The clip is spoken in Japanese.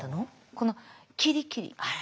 このキリキリ。